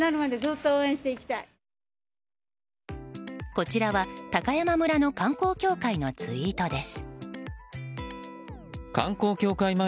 こちらは高山村の観光協会のツイートです。